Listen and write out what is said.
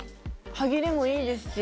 歯切れもいいですし。